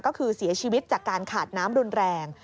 ก็คือเสียชีวิตจากการขาดน้ำรุนแรง